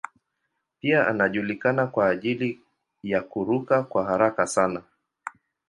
Pia anajulikana kwa ajili ya kuruka kwa haraka sana.